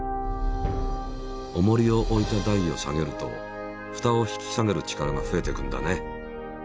おもりを置いた台を下げるとふたを引き下げる力が増えていくんだね。